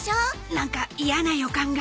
なんか嫌な予感が